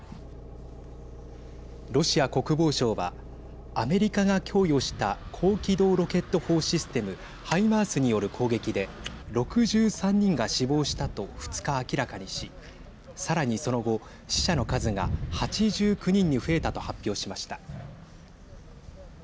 ロシア国防省はアメリカが供与した高機動ロケット砲システム＝ハイマースによる攻撃で６３人が死亡したと２日明らかにしさらに、その後、死者の数が８９人に増えたと発表しました。